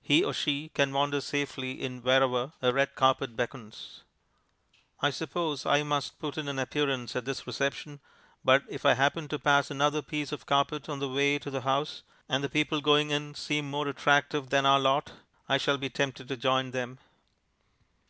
He or she can wander safely in wherever a red carpet beckons. I suppose I must put in an appearance at this reception, but if I happen to pass another piece of carpet on the way to the house, and the people going in seem more attractive than our lot, I shall be tempted to join them.